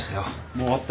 もう終わった？